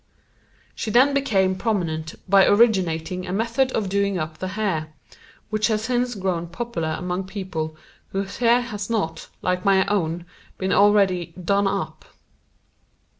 She then became prominent by originating a method of doing up the hair, which has since grown popular among people whose hair has not, like my own, been already "done up."